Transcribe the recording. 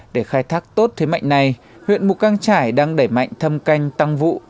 để khai thác tốt thế mạnh này huyện mù căng trải đang đẩy mạnh thâm canh tăng vụ